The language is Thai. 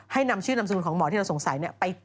นำชื่อนำสนุนของหมอที่เราสงสัย